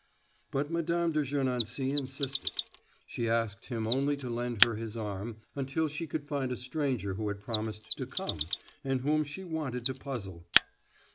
But Mme. de Gernancé insisted; she asked him only to lend her his arm until she could find a stranger who had promised to come, and whom she wanted to puzzle.